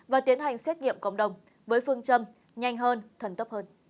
và tiến hành xét nghiệm cộng đồng với phương châm nhanh hơn thần tốc hơn